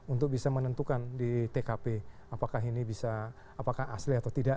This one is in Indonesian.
untuk bisa menentukan di tkp apakah ini bisa apakah asli atau tidak